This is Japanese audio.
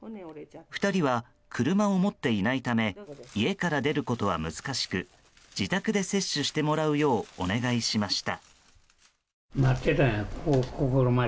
２人は車を持っていないため家から出ることは難しく自宅で接種してもらうようお願いしました。